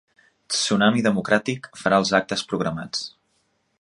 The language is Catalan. Tsunami Democràtic farà els actes programats